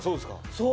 そう！